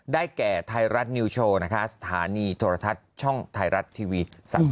แก่ไทยรัฐนิวโชว์นะคะสถานีโทรทัศน์ช่องไทยรัฐทีวี๓๒